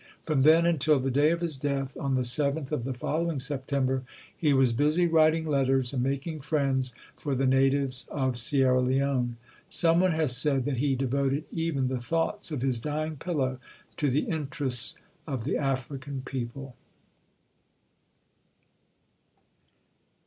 From then until the day of his death, on the seventh of the following Sep tember, he was busy writing letters and making friends for the natives of Sierra Leone. Some one has said that he devoted even the thoughts of his dying pillow to the interests of the African people.